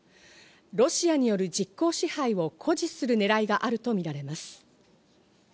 ロシアによる実効支配を誇示するねらいがあるとみられています。